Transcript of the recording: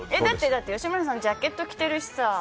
だって、吉村さんジャケット着てるしさ。